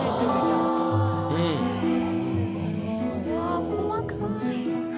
うわ細かい。